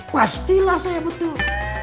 pastilah saya butuh